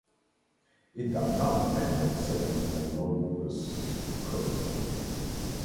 It does not depend on a second homologous chromosome.